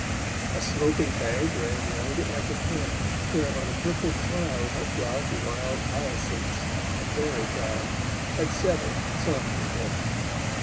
A sloping bank ran round it like a crown, Whereon a purple cloud Of dark wild hyacinths, a fairy crowd, Had settled softly down.